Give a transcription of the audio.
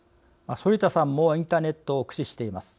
反田さんもインターネットを駆使しています。